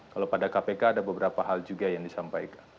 kalau pada kpk ada beberapa hal juga yang disampaikan